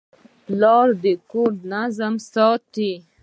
پلار د کور نظم ساتي.